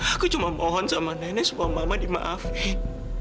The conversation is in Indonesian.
aku cuma mohon sama nenek supaya mama mama dimaafin